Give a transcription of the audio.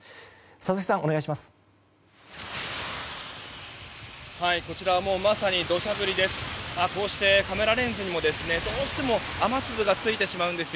佐々木さん、お願いします。